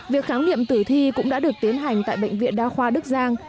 việc kháng niệm tử thi cũng đã được tiến hành tại bệnh viện đa khoa đức giang